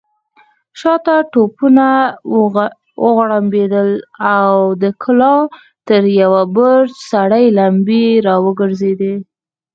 شاته توپونه وغړمبېدل، د کلا تر يوه برج سرې لمبې را وګرځېدې.